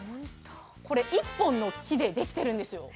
１本の木でできているんですよ。